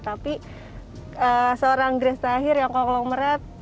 tapi seorang grace tahir yang kalau melihat